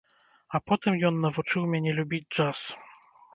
А потым ён навучыў мяне любіць джаз.